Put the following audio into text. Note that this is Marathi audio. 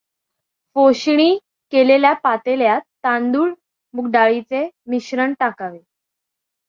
फोशणी केलेल्या पातेल्यात तांदूळ मुगडाळीचे मिश्रण टाकावे.